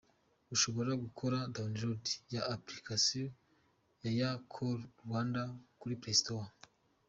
Ushobora gukora Download ya Application ya ya Call Rwanda kuri Playstore.